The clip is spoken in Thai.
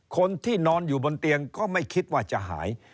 คนที่นอนอยู่บนเตียงก็ไม่คิดว่าจะหาย